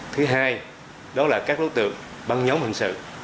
thứ hai đó là các đối tượng băng nhóm hình sự